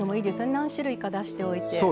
何種類か出しておいて。